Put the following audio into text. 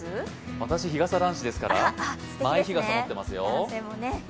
私、日傘男子ですから、マイ日傘を持っています。